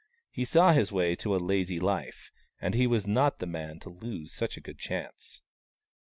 He saw his way to a lazy life, and he was not the man to lose such a good chance.